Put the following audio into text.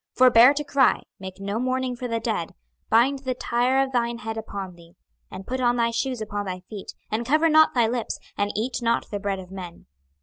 26:024:017 Forbear to cry, make no mourning for the dead, bind the tire of thine head upon thee, and put on thy shoes upon thy feet, and cover not thy lips, and eat not the bread of men.